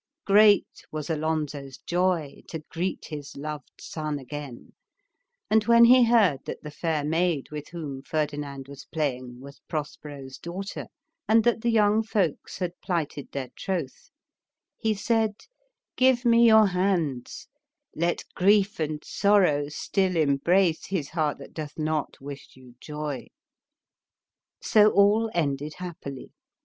Great was Alonso's joy to greet his loved son again, and when he heard that the fair maid with whom Ferdinand was playing was Prosperous daughter, and that the young folks had plighted their troth, he said — "Give me your hands, let grief and sorrow still embrace his heart that doth not wish you joy." So all ended happily.